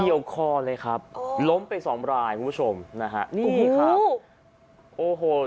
เกี่ยวคอเลยครับล้มไปสองรายคุณผู้ชมนะฮะนี่ครับโอ้โห